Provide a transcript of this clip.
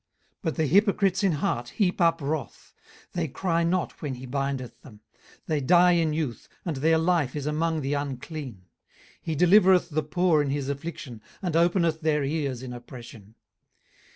18:036:013 But the hypocrites in heart heap up wrath: they cry not when he bindeth them. 18:036:014 They die in youth, and their life is among the unclean. 18:036:015 He delivereth the poor in his affliction, and openeth their ears in oppression.